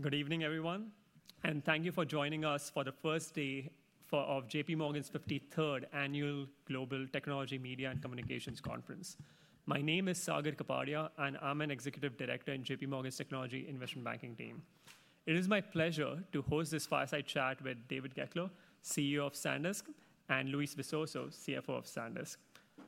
Good evening, everyone, and thank you for joining us for the first day of JPMorgan's 53rd Annual Global Technology Media and Communications Conference. My name is Sagar Kapadia, and I'm an executive director in JPMorgan's Technology Investment Banking team. It is my pleasure to host this fireside chat with David Goeckeler, CEO of SanDisk, and Luis Visoso, CFO of SanDisk.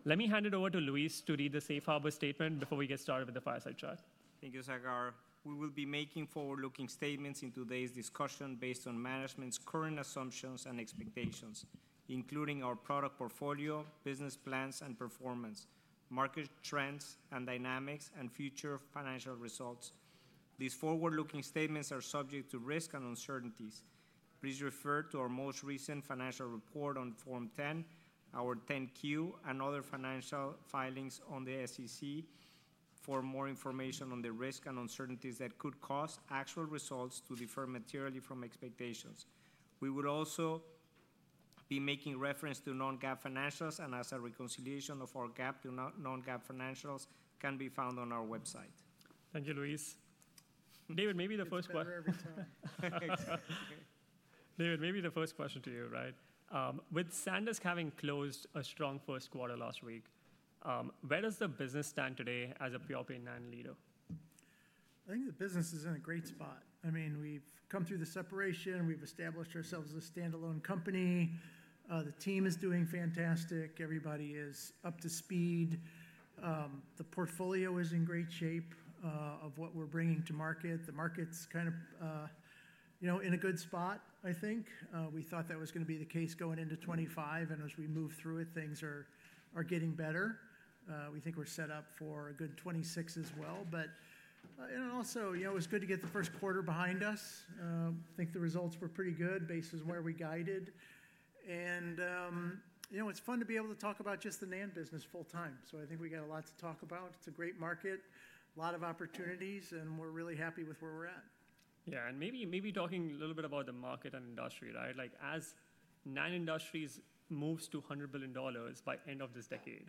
Let me hand it over to Luis to read the Safe Harbor Statement before we get started with the fireside chat. Thank you, Sagar. We will be making forward-looking statements in today's discussion based on management's current assumptions and expectations, including our product portfolio, business plans and performance, market trends and dynamics, and future financial results. These forward-looking statements are subject to risk and uncertainties. Please refer to our most recent financial report on Form 10, our 10-Q, and other financial filings on the SEC for more information on the risk and uncertainties that could cause actual results to differ materially from expectations. We will also be making reference to non-GAAP financials, and a reconciliation of our GAAP to non-GAAP financials can be found on our website. Thank you, Luis. David, maybe the first question. Sure, every time. David, maybe the first question to you, right? With SanDisk having closed a strong first quarter last week, where does the business stand today as a pure-play NAND leader? I think the business is in a great spot. I mean, we've come through the separation, we've established ourselves as a standalone company, the team is doing fantastic, everybody is up to speed, the portfolio is in great shape of what we're bringing to market, the market's kind of, you know, in a good spot, I think. We thought that was going to be the case going into 2025, and as we move through it, things are getting better. We think we're set up for a good 2026 as well. Also, you know, it was good to get the first quarter behind us. I think the results were pretty good, based on where we guided. And, you know, it's fun to be able to talk about just the NAND business full-time. So I think we got a lot to talk about. It's a great market, a lot of opportunities, and we're really happy with where we're at. Yeah, and maybe talking a little bit about the market and industry, right? Like, as NAND industry moves to $100 billion by the end of this decade,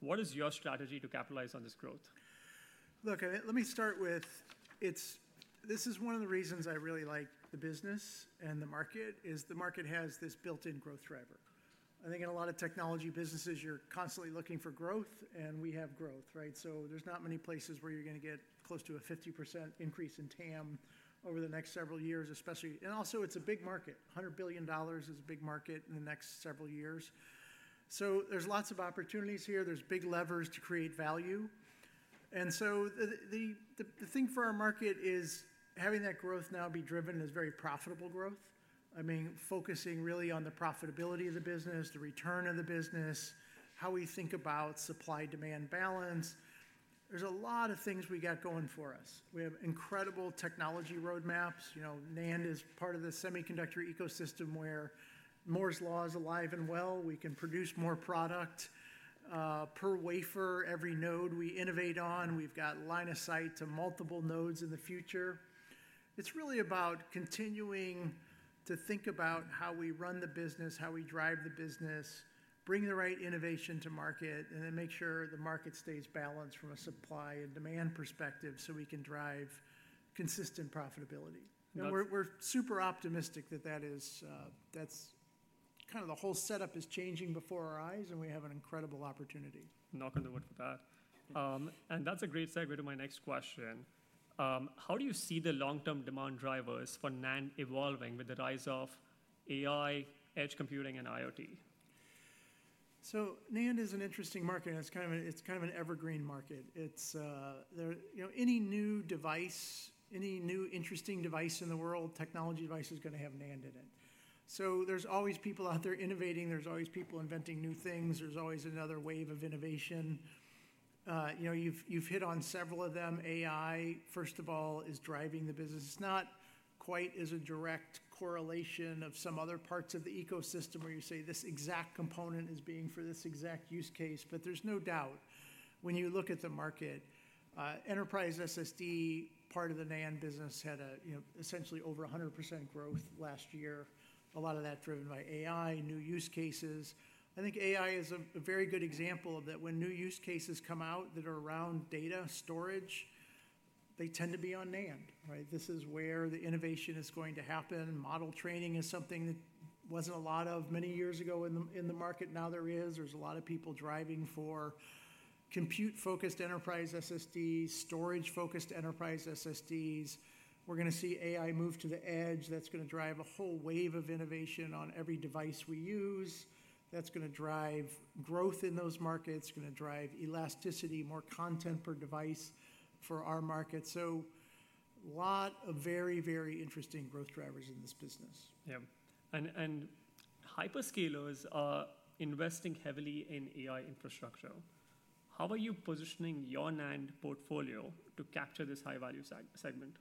what is your strategy to capitalize on this growth? Look, let me start with, it's, this is one of the reasons I really like the business and the market, is the market has this built-in growth driver. I think in a lot of technology businesses, you're constantly looking for growth, and we have growth, right? There's not many places where you're going to get close to a 50% increase in TAM over the next several years, especially, and also it's a big market. $100 billion is a big market in the next several years. There's lots of opportunities here, there's big levers to create value. The thing for our market is having that growth now be driven as very profitable growth. I mean, focusing really on the profitability of the business, the return of the business, how we think about supply-demand balance. There's a lot of things we got going for us. We have incredible technology roadmaps. You know, NAND is part of the semiconductor ecosystem where Moore's Law is alive and well. We can produce more product per wafer, every node we innovate on. We've got line of sight to multiple nodes in the future. It's really about continuing to think about how we run the business, how we drive the business, bring the right innovation to market, and then make sure the market stays balanced from a supply and demand perspective so we can drive consistent profitability. We're super optimistic that that is, that's kind of the whole setup is changing before our eyes, and we have an incredible opportunity. Knock on wood for that. That's a great segue to my next question. How do you see the long-term demand drivers for NAND evolving with the rise of AI, edge computing, and IoT? NAND is an interesting market. It's kind of an evergreen market. It's, you know, any new device, any new interesting device in the world, technology device is going to have NAND in it. There's always people out there innovating, there's always people inventing new things, there's always another wave of innovation. You know, you've hit on several of them. AI, first of all, is driving the business. It's not quite as a direct correlation of some other parts of the ecosystem where you say this exact component is being for this exact use case, but there's no doubt when you look at the market, enterprise SSD, part of the NAND business had a, you know, essentially over 100% growth last year. A lot of that driven by AI, new use cases. I think AI is a very good example of that. When new use cases come out that are around data storage, they tend to be on NAND, right? This is where the innovation is going to happen. Model training is something that was not a lot of many years ago in the market. Now there is. There is a lot of people driving for compute-focused enterprise SSDs, storage-focused enterprise SSDs. We are going to see AI move to the edge. That is going to drive a whole wave of innovation on every device we use. That is going to drive growth in those markets, going to drive elasticity, more content per device for our market. A lot of very, very interesting growth drivers in this business. Yeah. Hyperscalers are investing heavily in AI infrastructure. How are you positioning your NAND portfolio to capture this high-value segment?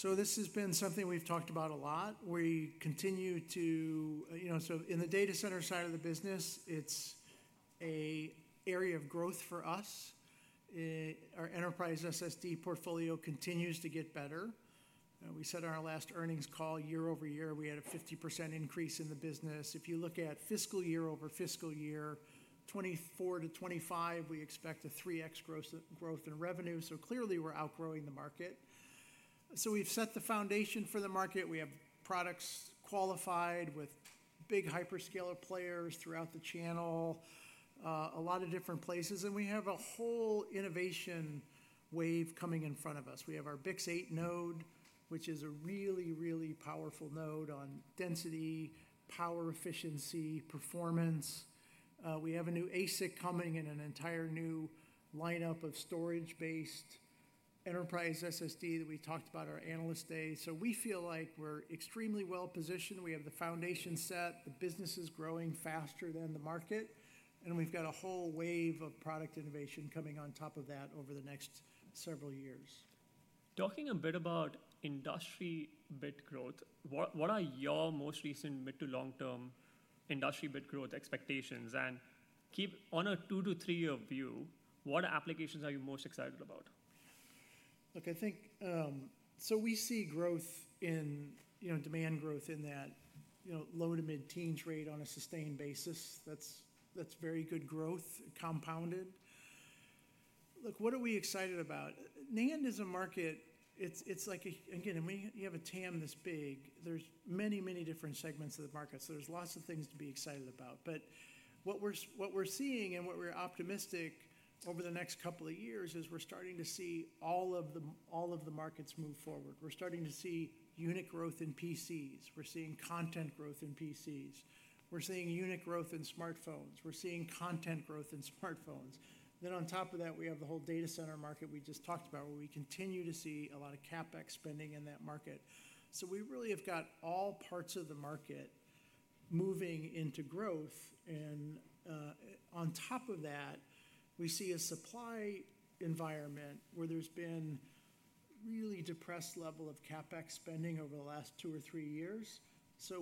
This has been something we've talked about a lot. We continue to, you know, in the data center side of the business, it's an area of growth for us. Our enterprise SSD portfolio continues to get better. We said on our last earnings call, year over year, we had a 50% increase in the business. If you look at fiscal year over fiscal year, 2024-2025, we expect a 3x growth in revenue. Clearly we're outgrowing the market. We've set the foundation for the market. We have products qualified with big hyperscaler players throughout the channel, a lot of different places. We have a whole innovation wave coming in front of us. We have our BiCS 8 node, which is a really, really powerful node on density, power efficiency, performance. We have a new ASIC coming in an entire new lineup of storage-based enterprise SSD that we talked about at our Analyst Day. We feel like we're extremely well positioned. We have the foundation set, the business is growing faster than the market, and we've got a whole wave of product innovation coming on top of that over the next several years. Talking a bit about industry bit growth, what are your most recent mid to long-term industry bit growth expectations? Keep on a two-three-year view, what applications are you most excited about? Look, I think, so we see growth in, you know, demand growth in that, you know, low to mid-teens rate on a sustained basis. That's very good growth, compounded. Look, what are we excited about? NAND is a market, it's like a, again, when you have a TAM this big, there's many, many different segments of the market. So there's lots of things to be excited about. But what we're seeing and what we're optimistic over the next couple of years is we're starting to see all of the markets move forward. We're starting to see unit growth in PCs. We're seeing content growth in PCs. We're seeing unit growth in smartphones. We're seeing content growth in smartphones. Then on top of that, we have the whole data center market we just talked about where we continue to see a lot of CapEx spending in that market. We really have got all parts of the market moving into growth. And on top of that, we see a supply environment where there's been a really depressed level of CapEx spending over the last two or three years.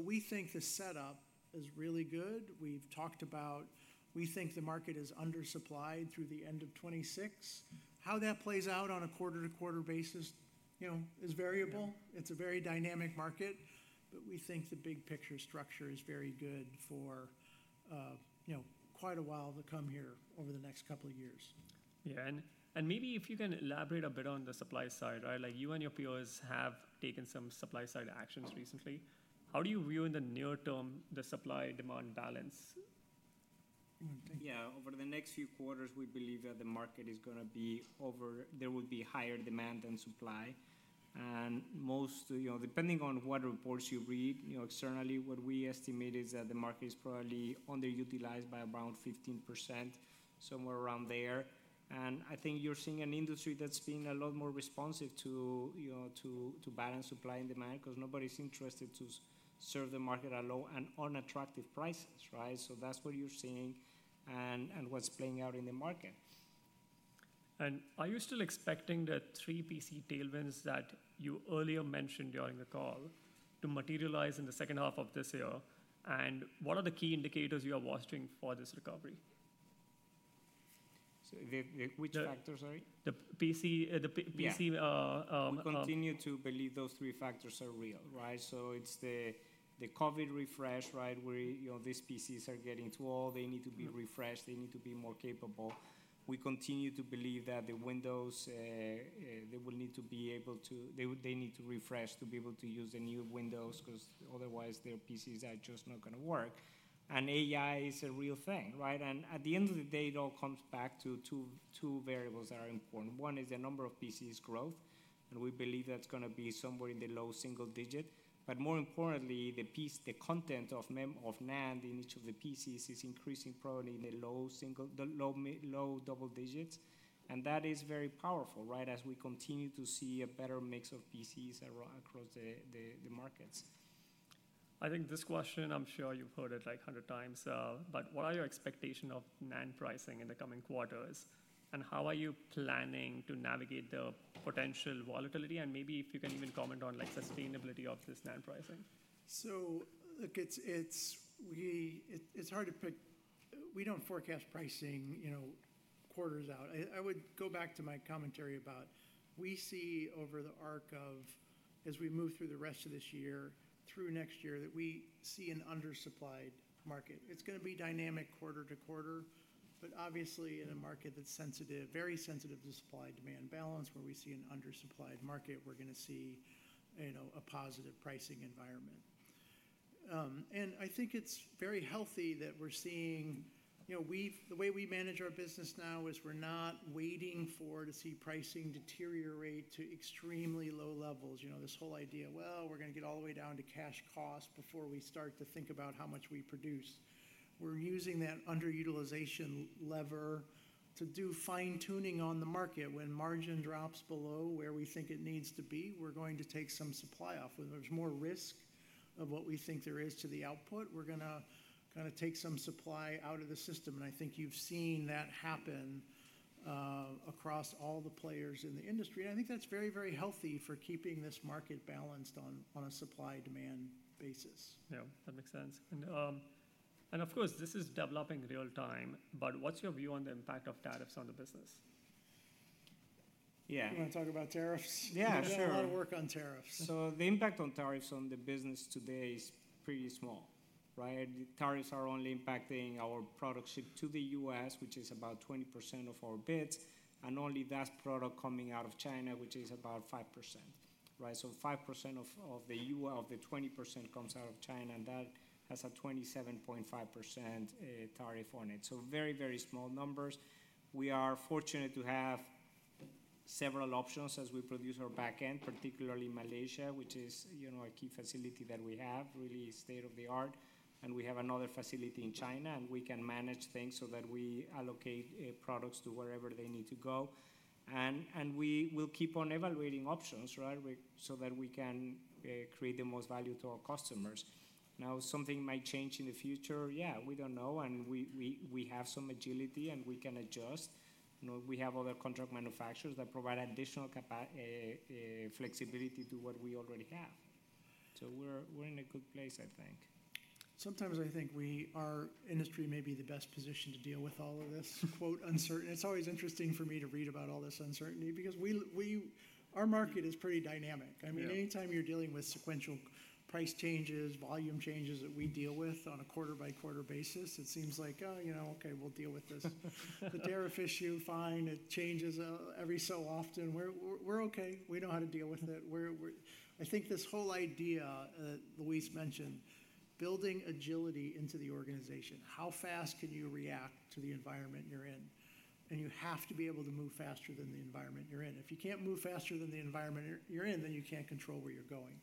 We think the setup is really good. We've talked about, we think the market is undersupplied through the end of 2026. How that plays out on a quarter-to-quarter basis, you know, is variable. It's a very dynamic market, but we think the big picture structure is very good for, you know, quite a while to come here over the next couple of years. Yeah. Maybe if you can elaborate a bit on the supply side, right? Like you and your peers have taken some supply-side actions recently. How do you view in the near term the supply-demand balance? Yeah, over the next few quarters, we believe that the market is going to be over, there will be higher demand than supply. And most, you know, depending on what reports you read, you know, externally, what we estimate is that the market is probably underutilized by around 15%, somewhere around there. And I think you're seeing an industry that's been a lot more responsive to, you know, to balance supply and demand because nobody's interested to serve the market at low and unattractive prices, right? So that's what you're seeing and what's playing out in the market. Are you still expecting the three PC tailwinds that you earlier mentioned during the call to materialize in the second half of this year? What are the key indicators you are watching for this recovery? Which factors, sorry? The PC. We continue to believe those three factors are real, right? It is the COVID refresh, right? Where, you know, these PCs are getting too old, they need to be refreshed, they need to be more capable. We continue to believe that the Windows, they will need to be able to, they need to refresh to be able to use the new Windows because otherwise their PCs are just not going to work. AI is a real thing, right? At the end of the day, it all comes back to two variables that are important. One is the number of PCs growth, and we believe that is going to be somewhere in the low single digit. More importantly, the content of NAND in each of the PCs is increasing probably in the low single low double digits. That is very powerful, right? As we continue to see a better mix of PCs across the markets. I think this question, I'm sure you've heard it like a hundred times, but what are your expectations of NAND pricing in the coming quarters? How are you planning to navigate the potential volatility? Maybe if you can even comment on like sustainability of this NAND pricing. Look, it's hard to pick, we don't forecast pricing, you know, quarters out. I would go back to my commentary about, we see over the arc of, as we move through the rest of this year, through next year, that we see an undersupplied market. It's going to be dynamic quarter-to-quarter, but obviously in a market that's sensitive, very sensitive to supply-demand balance, where we see an undersupplied market, we're going to see, you know, a positive pricing environment. I think it's very healthy that we're seeing, you know, the way we manage our business now is we're not waiting to see pricing deteriorate to extremely low levels. You know, this whole idea, well, we're going to get all the way down to cash costs before we start to think about how much we produce. We're using that underutilization lever to do fine-tuning on the market. When margin drops below where we think it needs to be, we're going to take some supply off. When there's more risk of what we think there is to the output, we're going to kind of take some supply out of the system. I think you've seen that happen across all the players in the industry. I think that's very, very healthy for keeping this market balanced on a supply-demand basis. Yeah, that makes sense. Of course, this is developing real time, but what's your view on the impact of tariffs on the business? Yeah. You want to talk about tariffs? Yeah, sure. We've done a lot of work on tariffs. The impact on tariffs on the business today is pretty small, right? Tariffs are only impacting our products shipped to the U.S., which is about 20% of our bids, and only that is product coming out of China, which is about 5%, right? So 5% of the 20% comes out of China, and that has a 27.5% tariff on it. Very, very small numbers. We are fortunate to have several options as we produce our backend, particularly Malaysia, which is, you know, a key facility that we have, really state of the art. We have another facility in China, and we can manage things so that we allocate products to wherever they need to go. We will keep on evaluating options, right? So that we can create the most value to our customers. Now, something might change in the future. Yeah, we do not know. We have some agility, and we can adjust. We have other contract manufacturers that provide additional flexibility to what we already have. We are in a good place, I think. Sometimes I think our industry may be the best position to deal with all of this "uncertain." It's always interesting for me to read about all this uncertainty because our market is pretty dynamic. I mean, anytime you're dealing with sequential price changes, volume changes that we deal with on a quarter-by-quarter basis, it seems like, oh, you know, okay, we'll deal with this. The tariff issue, fine, it changes every so often. We're okay. We know how to deal with it. I think this whole idea that Luis mentioned, building agility into the organization, how fast can you react to the environment you're in? You have to be able to move faster than the environment you're in. If you can't move faster than the environment you're in, then you can't control where you're going.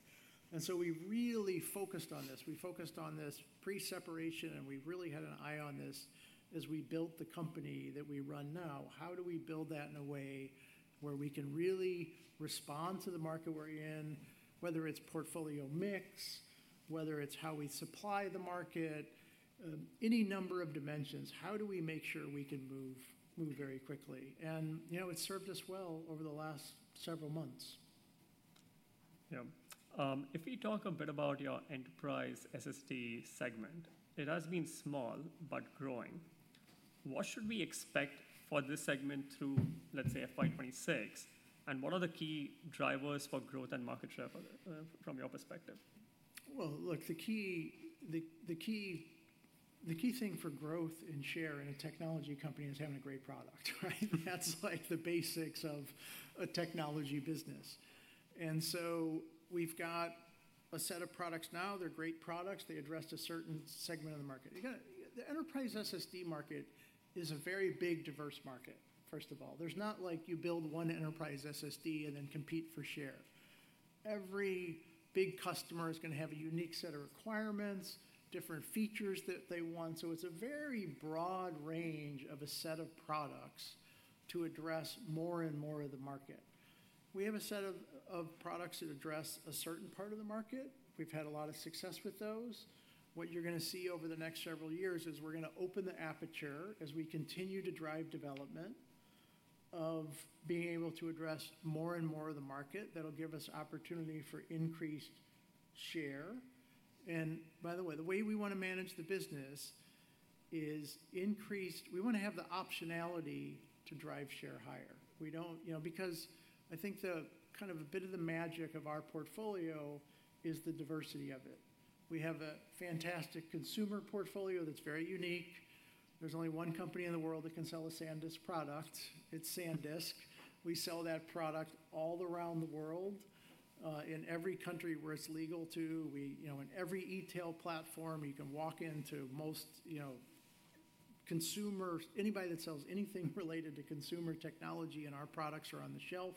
We really focused on this. We focused on this pre-separation, and we really had an eye on this as we built the company that we run now. How do we build that in a way where we can really respond to the market we're in, whether it's portfolio mix, whether it's how we supply the market, any number of dimensions? How do we make sure we can move very quickly? You know, it's served us well over the last several months. Yeah. If we talk a bit about your enterprise SSD segment, it has been small but growing. What should we expect for this segment through, let's say, FY 2026? What are the key drivers for growth and market share from your perspective? Look, the key thing for growth and share in a technology company is having a great product, right? That's like the basics of a technology business. We've got a set of products now. They're great products. They address a certain segment of the market. The enterprise SSD market is a very big, diverse market, first of all. It's not like you build one enterprise SSD and then compete for share. Every big customer is going to have a unique set of requirements, different features that they want. It's a very broad range of a set of products to address more and more of the market. We have a set of products that address a certain part of the market. We've had a lot of success with those. What you're going to see over the next several years is we're going to open the aperture as we continue to drive development of being able to address more and more of the market that'll give us opportunity for increased share. By the way, the way we want to manage the business is increased, we want to have the optionality to drive share higher. We don't, you know, because I think the kind of a bit of the magic of our portfolio is the diversity of it. We have a fantastic consumer portfolio that's very unique. There's only one company in the world that can sell a SanDisk product. It's SanDisk. We sell that product all around the world in every country where it's legal to, you know, in every e-tail platform. You can walk into most, you know, consumers, anybody that sells anything related to consumer technology and our products are on the shelf.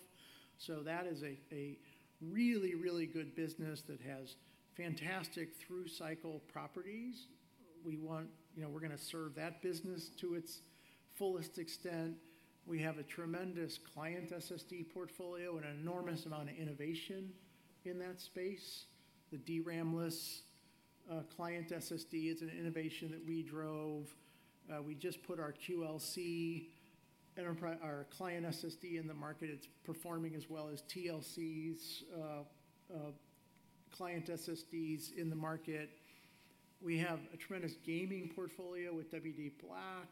That is a really, really good business that has fantastic through cycle properties. We want, you know, we're going to serve that business to its fullest extent. We have a tremendous client SSD portfolio and an enormous amount of innovation in that space. The DRAM-less client SSD is an innovation that we drove. We just put our QLC, our client SSD in the market. It's performing as well as TLCs, client SSDs in the market. We have a tremendous gaming portfolio with WD Black.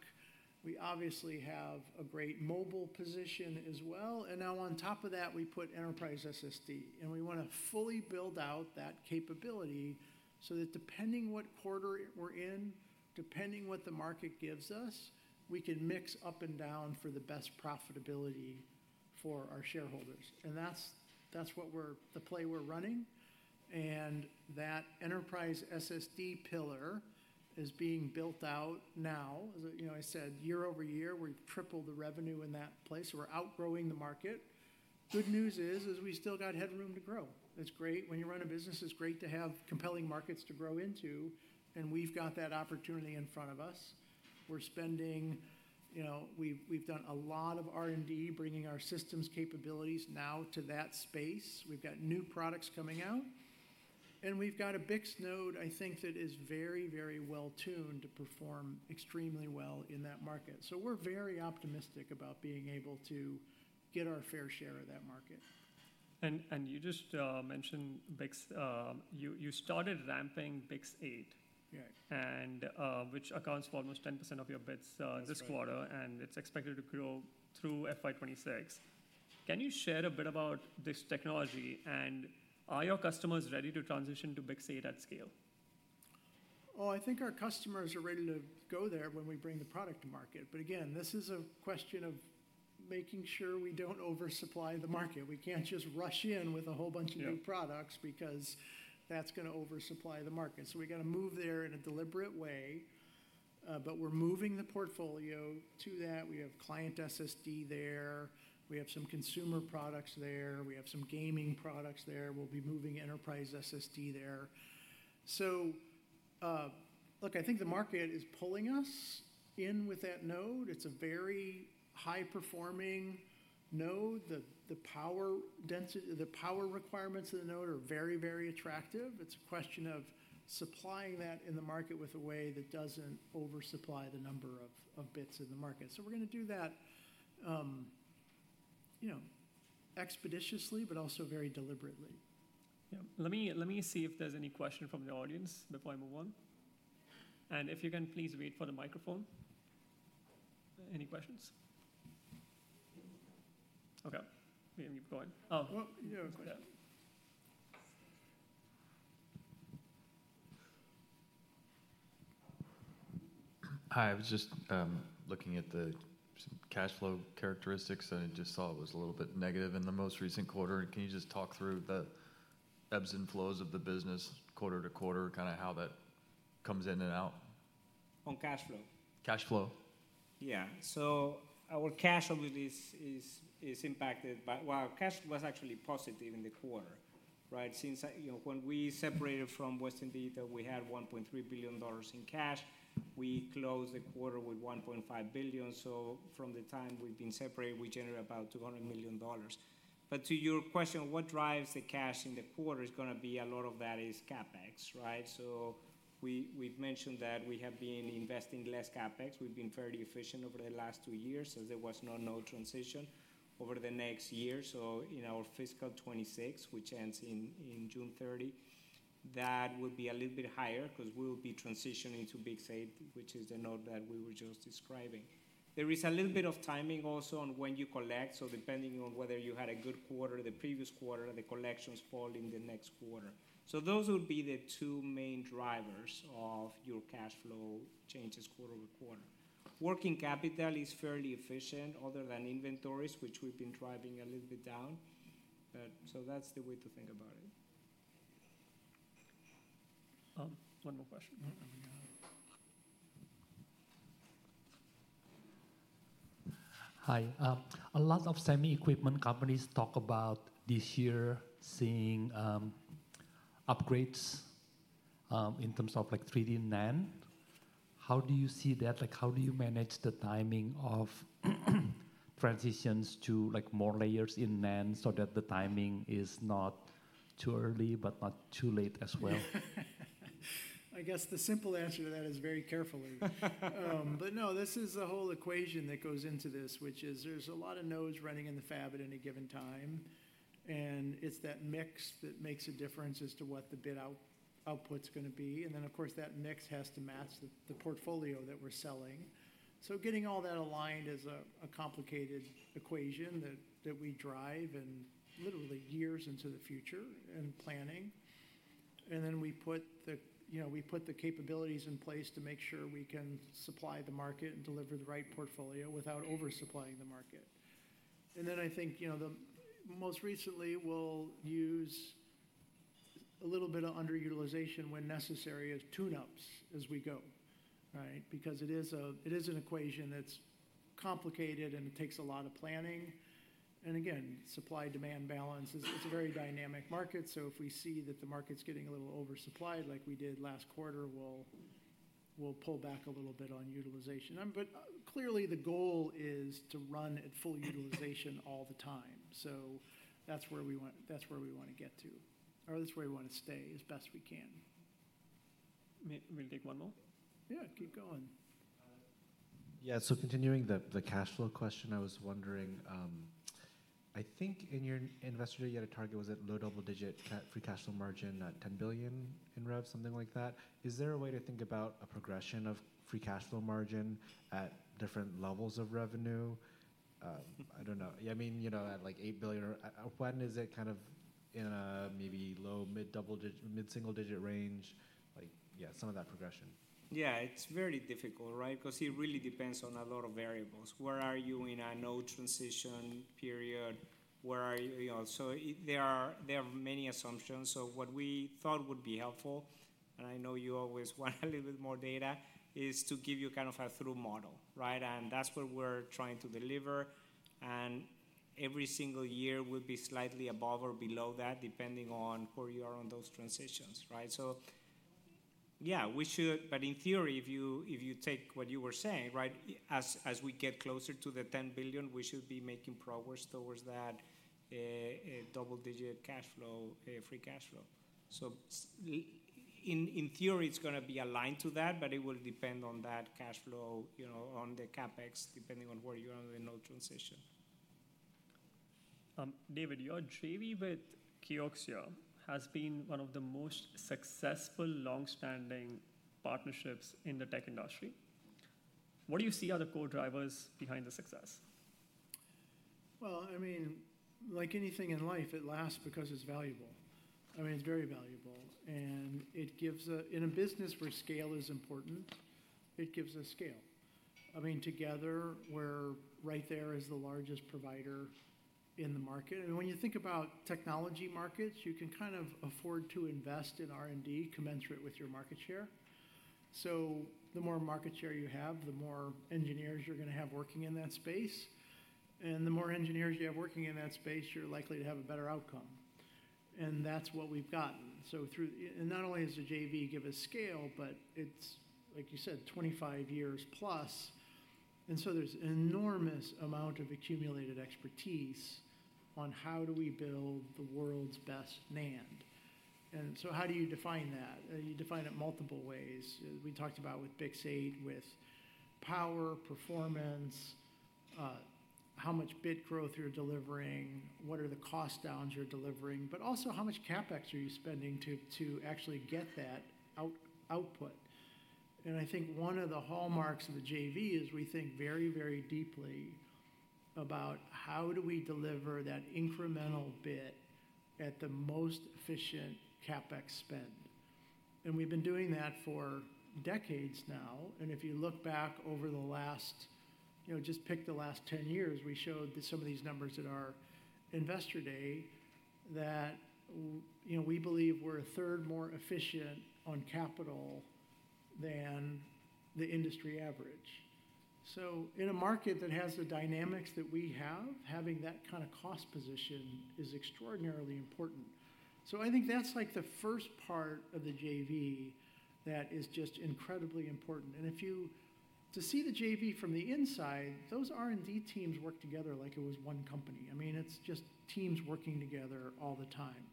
We obviously have a great mobile position as well. Now on top of that, we put enterprise SSD. We want to fully build out that capability so that depending what quarter we're in, depending what the market gives us, we can mix up and down for the best profitability for our shareholders. That is what we're, the play we're running. That enterprise SSD pillar is being built out now. As you know, I said year-over-year, we've tripled the revenue in that place. We're outgrowing the market. Good news is, we still got headroom to grow. It's great when you run a business. It's great to have compelling markets to grow into. We've got that opportunity in front of us. We're spending, you know, we've done a lot of R&D bringing our systems capabilities now to that space. We've got new products coming out. We have got a BiCS node, I think, that is very, very well tuned to perform extremely well in that market. We are very optimistic about being able to get our fair share of that market. You just mentioned BiCS. You started ramping BiCS 8, which accounts for almost 10% of your bits this quarter, and it's expected to grow through FY2026. Can you share a bit about this technology and are your customers ready to transition to BiCS 8 at scale? I think our customers are ready to go there when we bring the product to market. Again, this is a question of making sure we do not oversupply the market. We cannot just rush in with a whole bunch of new products because that is going to oversupply the market. We have to move there in a deliberate way. We are moving the portfolio to that. We have client SSD there. We have some consumer products there. We have some gaming products there. We will be moving enterprise SSD there. Look, I think the market is pulling us in with that node. It is a very high-performing node. The power requirements of the node are very, very attractive. It is a question of supplying that in the market in a way that does not oversupply the number of bits in the market. We're going to do that, you know, expeditiously, but also very deliberately. Yeah. Let me see if there's any question from the audience before I move on. If you can, please wait for the microphone. Any questions? Okay. You can go ahead. Well, yeah. Hi. I was just looking at the cash flow characteristics, and I just saw it was a little bit negative in the most recent quarter. Can you just talk through the ebbs and flows of the business quarter to quarter, kind of how that comes in and out? On cash flow. Cash flow. Yeah. So our cash is impacted by, well, cash was actually positive in the quarter, right? Since, you know, when we separated from Western Digital, we had $1.3 billion in cash. We closed the quarter with $1.5 billion. From the time we've been separated, we generated about $200 million. To your question, what drives the cash in the quarter is going to be a lot of that is CapEx, right? We've mentioned that we have been investing less CapEx. We've been fairly efficient over the last two years. There was no node transition over the next year. In our fiscal 2026, which ends in June 30, that would be a little bit higher because we'll be transitioning to BiCS 8, which is the node that we were just describing. There is a little bit of timing also on when you collect. Depending on whether you had a good quarter, the previous quarter, the collections fall in the next quarter. Those would be the two main drivers of your cash flow changes quarter-over quarter. Working capital is fairly efficient other than inventories, which we've been driving a little bit down. That's the way to think about it. One more question. Hi. A lot of semi equipment companies talk about this year seeing upgrades in terms of like 3D NAND. How do you see that? Like how do you manage the timing of transitions to like more layers in NAND so that the timing is not too early, but not too late as well? I guess the simple answer to that is very carefully. No, this is a whole equation that goes into this, which is there's a lot of nodes running in the fab at any given time. It is that mix that makes a difference as to what the bit output's going to be. That mix has to match the portfolio that we're selling. Getting all that aligned is a complicated equation that we drive and literally years into the future in planning. We put the, you know, we put the capabilities in place to make sure we can supply the market and deliver the right portfolio without oversupplying the market. I think, you know, most recently we'll use a little bit of underutilization when necessary as tune-ups as we go, right? Because it is an equation that's complicated and it takes a lot of planning. Again, supply-demand balance, it's a very dynamic market. If we see that the market's getting a little oversupplied like we did last quarter, we'll pull back a little bit on utilization. Clearly the goal is to run at full utilization all the time. That's where we want to get to. That's where we want to stay as best we can. Maybe take one more. Yeah, keep going. Yeah. Continuing the cash flow question, I was wondering, I think in your investor you had a target, was it low double digit free cash flow margin at $10 billion in rev, something like that? Is there a way to think about a progression of free cash flow margin at different levels of revenue? I don't know. I mean, you know, at like $8 billion. When is it kind of in a maybe low mid double digit, mid single digit range, like yeah, some of that progression? Yeah, it's very difficult, right? Because it really depends on a lot of variables. Where are you in a node transition period? Where are you? There are many assumptions. What we thought would be helpful, and I know you always want a little bit more data, is to give you kind of a through model, right? That's what we're trying to deliver. Every single year will be slightly above or below that, depending on where you are on those transitions, right? Yeah, we should, but in theory, if you take what you were saying, right, as we get closer to the $10 billion, we should be making progress towards that double digit cash flow, free cash flow. In theory, it's going to be aligned to that, but it will depend on that cash flow, you know, on the CapEx, depending on where you are on the node transition. David, your JV with Kioxia has been one of the most successful long-standing partnerships in the tech industry. What do you see are the core drivers behind the success? I mean, like anything in life, it lasts because it's valuable. I mean, it's very valuable. It gives a, in a business where scale is important, it gives a scale. I mean, together, we're right there as the largest provider in the market. When you think about technology markets, you can kind of afford to invest in R&D commensurate with your market share. The more market share you have, the more engineers you're going to have working in that space. The more engineers you have working in that space, you're likely to have a better outcome. That's what we've gotten. Through, and not only does the JV give us scale, but it's, like you said, 25 years plus. There's an enormous amount of accumulated expertise on how do we build the world's best NAND. How do you define that? You define it multiple ways. We talked about with BiCS 8, with power, performance, how much bit growth you're delivering, what are the cost downs you're delivering, but also how much CapEx are you spending to actually get that output. I think one of the hallmarks of the JV is we think very, very deeply about how do we deliver that incremental bit at the most efficient CapEx spend. We've been doing that for decades now. If you look back over the last, you know, just pick the last 10 years, we showed some of these numbers at our investor day that, you know, we believe we're a third more efficient on capital than the industry average. In a market that has the dynamics that we have, having that kind of cost position is extraordinarily important. I think that's like the first part of the JV that is just incredibly important. If you see the JV from the inside, those R&D teams work together like it was one company. I mean, it's just teams working together all the time.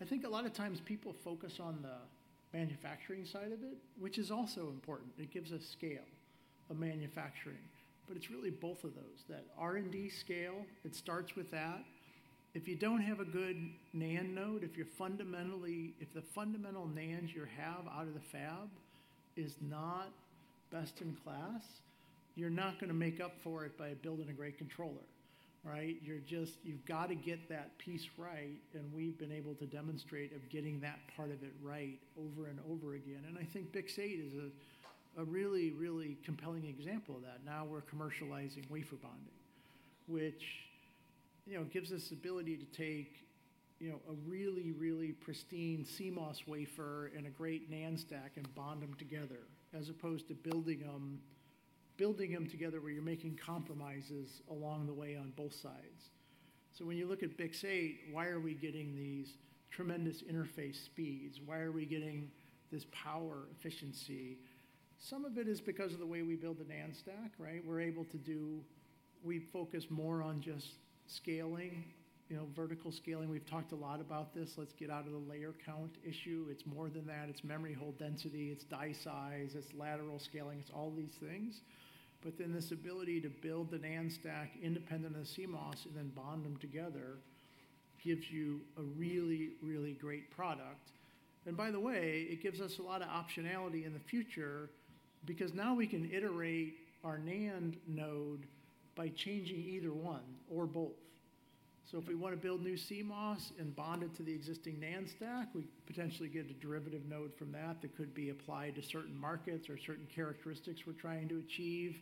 I think a lot of times people focus on the manufacturing side of it, which is also important. It gives us scale of manufacturing. It's really both of those, that R&D scale, it starts with that. If you don't have a good NAND node, if you're fundamentally, if the fundamental NAND you have out of the fab is not best in class, you're not going to make up for it by building a great controller, right? You've got to get that piece right. We've been able to demonstrate getting that part of it right over and over again. I think BiCS 8 is a really, really compelling example of that. Now we are commercializing wafer bonding, which, you know, gives us the ability to take, you know, a really, really pristine CMOS wafer and a great NAND stack and bond them together as opposed to building them together where you are making compromises along the way on both sides. When you look at BiCS 8, why are we getting these tremendous interface speeds? Why are we getting this power efficiency? Some of it is because of the way we build the NAND stack, right? We are able to do, we focus more on just scaling, you know, vertical scaling. We have talked a lot about this. Let us get out of the layer count issue. It is more than that. It is memory hold density. It is die size. It is lateral scaling. It is all these things. This ability to build the NAND stack independent of the CMOS and then bond them together gives you a really, really great product. By the way, it gives us a lot of optionality in the future because now we can iterate our NAND node by changing either one or both. If we want to build new CMOS and bond it to the existing NAND stack, we potentially get a derivative node from that that could be applied to certain markets or certain characteristics we are trying to achieve.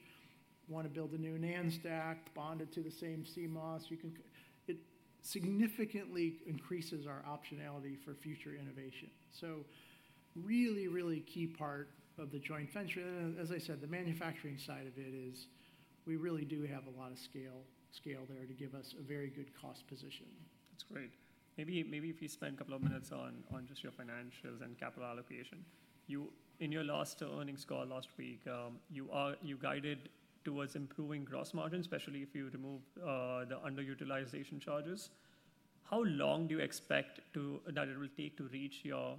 Want to build a new NAND stack, bond it to the same CMOS. You can, it significantly increases our optionality for future innovation. Really, really key part of the joint venture. As I said, the manufacturing side of it is we really do have a lot of scale there to give us a very good cost position. That's great. Maybe if you spend a couple of minutes on just your financials and capital allocation, you, in your last earnings call last week, you guided towards improving gross margin, especially if you remove the underutilization charges. How long do you expect that it will take to reach your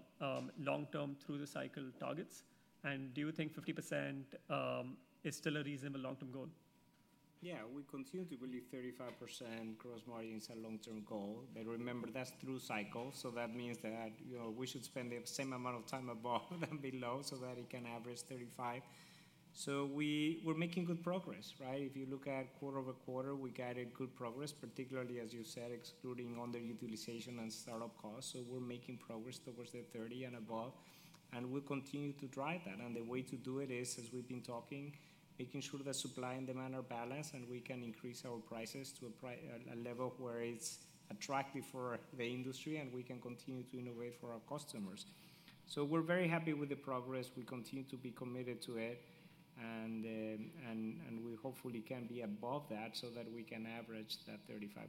long-term through the cycle targets? Do you think 50% is still a reasonable long-term goal? Yeah, we continue to believe 35% gross margins are long-term goal. But remember, that's through cycle. So that means that, you know, we should spend the same amount of time above and below so that it can average 35. So we're making good progress, right? If you look at quarter-over-quarter, we got good progress, particularly as you said, excluding underutilization and startup costs. So we're making progress towards the 30 and above. And we'll continue to drive that. And the way to do it is, as we've been talking, making sure that supply and demand are balanced and we can increase our prices to a level where it's attractive for the industry and we can continue to innovate for our customers. So we're very happy with the progress. We continue to be committed to it. We hopefully can be above that so that we can average that 35%.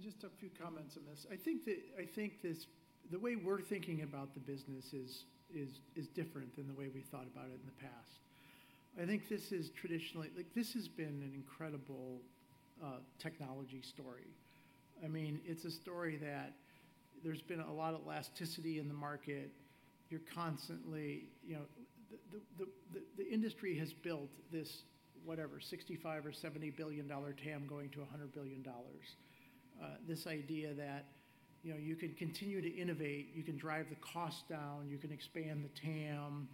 Just a few comments on this. I think this, the way we're thinking about the business is different than the way we thought about it in the past. I think this is traditionally, like this has been an incredible technology story. I mean, it's a story that there's been a lot of elasticity in the market. You're constantly, you know, the industry has built this whatever, $65 billion or $70 billion TAM going to $100 billion. This idea that, you know, you can continue to innovate, you can drive the cost down, you can expand the TAM,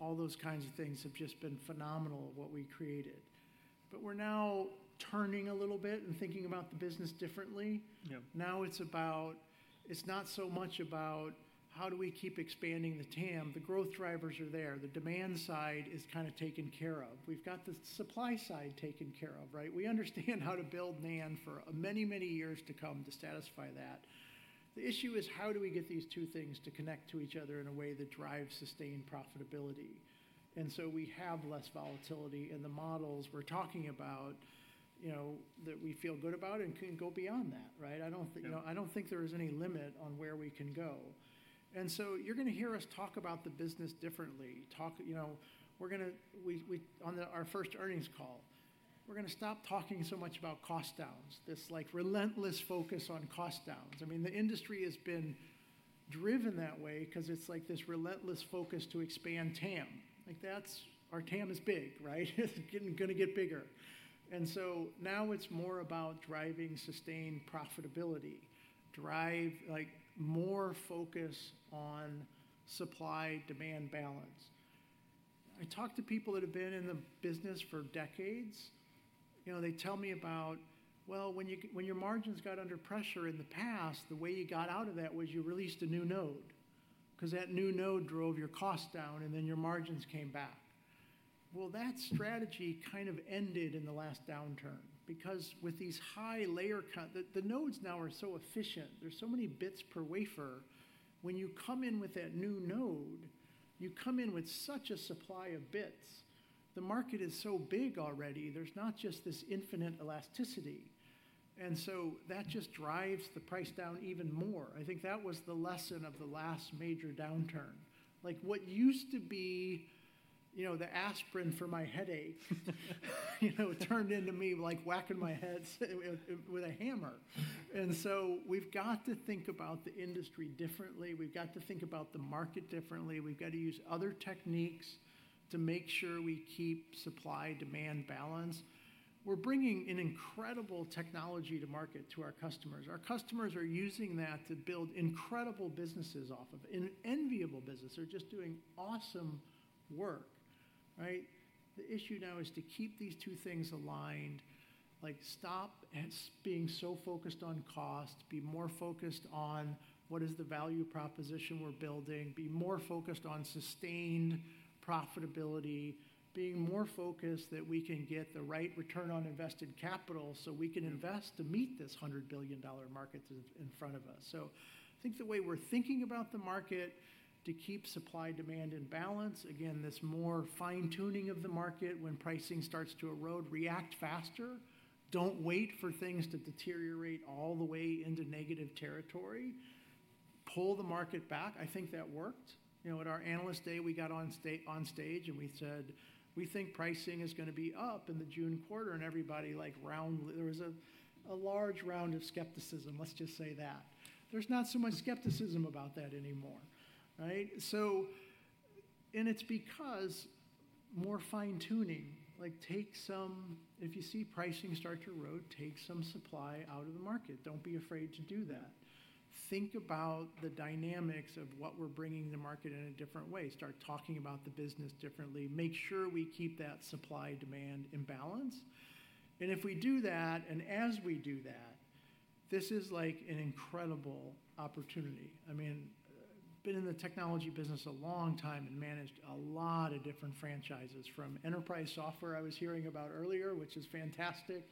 all those kinds of things have just been phenomenal of what we created. We're now turning a little bit and thinking about the business differently. Now it's about, it's not so much about how do we keep expanding the TAM. The growth drivers are there. The demand side is kind of taken care of. We've got the supply side taken care of, right? We understand how to build NAND for many, many years to come to satisfy that. The issue is how do we get these two things to connect to each other in a way that drives sustained profitability. We have less volatility in the models we're talking about, you know, that we feel good about and can go beyond that, right? I don't think there is any limit on where we can go. You're going to hear us talk about the business differently. You know, we're going to, on our first earnings call, we're going to stop talking so much about cost downs, this like relentless focus on cost downs. I mean, the industry has been driven that way because it's like this relentless focus to expand TAM. Like that's, our TAM is big, right? It's going to get bigger. Now it's more about driving sustained profitability, drive like more focus on supply-demand balance. I talked to people that have been in the business for decades. You know, they tell me about, well, when your margins got under pressure in the past, the way you got out of that was you released a new node because that new node drove your cost down and then your margins came back. That strategy kind of ended in the last downturn because with these high layer count, the nodes now are so efficient. There are so many bits per wafer. When you come in with that new node, you come in with such a supply of bits. The market is so big already. There's not just this infinite elasticity. That just drives the price down even more. I think that was the lesson of the last major downturn. Like what used to be, you know, the aspirin for my headache, you know, turned into me like whacking my head with a hammer. We've got to think about the industry differently. We've got to think about the market differently. We've got to use other techniques to make sure we keep supply-demand balance. We're bringing an incredible technology to market to our customers. Our customers are using that to build incredible businesses off of it, enviable business. They're just doing awesome work, right? The issue now is to keep these two things aligned. Like stop being so focused on cost, be more focused on what is the value proposition we're building, be more focused on sustained profitability, being more focused that we can get the right return on invested capital so we can invest to meet this $100 billion market in front of us. I think the way we're thinking about the market to keep supply-demand in balance, again, this more fine-tuning of the market when pricing starts to erode, react faster, don't wait for things to deteriorate all the way into negative territory, pull the market back. I think that worked. You know, at our Analyst Day, we got on stage and we said, we think pricing is going to be up in the June quarter and everybody like round, there was a large round of skepticism, let's just say that. There's not so much skepticism about that anymore, right? And it's because more fine-tuning, like take some, if you see pricing start to erode, take some supply out of the market. Don't be afraid to do that. Think about the dynamics of what we're bringing to market in a different way. Start talking about the business differently. Make sure we keep that supply-demand in balance. If we do that, and as we do that, this is like an incredible opportunity. I mean, I've been in the technology business a long time and managed a lot of different franchises from enterprise software I was hearing about earlier, which is fantastic,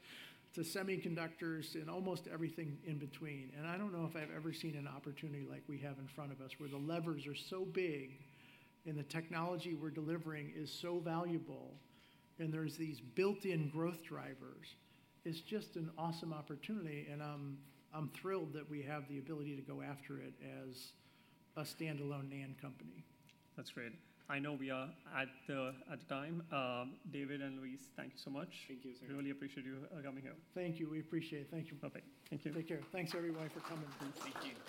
to semiconductors and almost everything in between. I don't know if I've ever seen an opportunity like we have in front of us where the levers are so big and the technology we're delivering is so valuable and there's these built-in growth drivers. It's just an awesome opportunity and I'm thrilled that we have the ability to go after it as a standalone NAND company. That's great. I know we are at the time. David and Luis, thank you so much. Thank you, sir. We really appreciate you coming here. Thank you. We appreciate it. Thank you. Okay. Thank you. Take care. Thanks everyone for coming. Thank you.